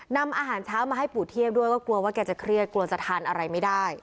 นำอาหารเช้ามาให้ปู่เทียบด้วยก็กลัวว่าแกจะเครียดกลัวจะทานอะไรไม่ได้